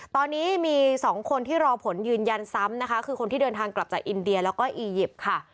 ตอนนี้มี๒คนที่รอผลยืนยันซ้ำนะคะคือคนที่เดินทางกลับจากอินเดียแล้วก็อียิปต์ค่ะ